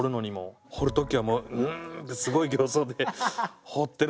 掘る時はもう「うん！」ってすごい形相で掘ってるんじゃないですか。